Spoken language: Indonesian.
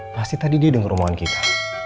pasti tadi dia denger omongan kita